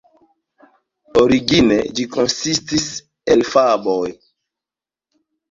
Origine, ĝi konsistis el faboj.